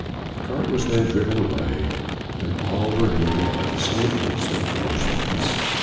The cart was then driven away, and all were nearly at the same instant motionless.